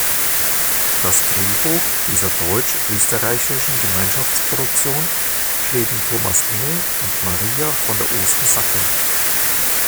Das Drehbuch dieser deutsch-österreichischen Gemeinschaftsproduktion schrieben Thomas Engel und Maria von der Osten-Sacken.